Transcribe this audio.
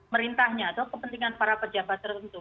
merintahnya atau kepentingan para pejabat tertentu